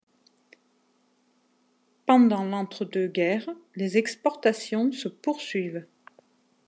Pendant l'entre-deux-guerres, les exportations se poursuivent.